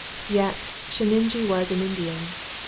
Yet, Sheninjee was an Indian.